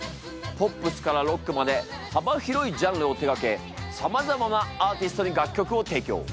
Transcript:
ポップスからロックまで幅広いジャンルを手がけさまざまなアーティストに楽曲を提供。